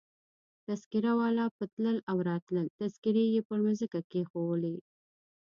تذکیره والا به تلل او راتلل، تذکیرې يې پر مځکه کښېښولې.